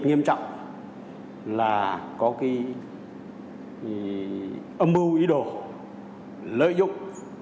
nghiêm trọng là có cái âm mưu ý đồ lợi dụng